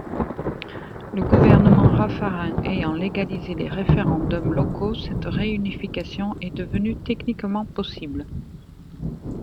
Le gouvernement Raffarin ayant légalisé les référendums locaux, cette réunification est devenue techniquement possible.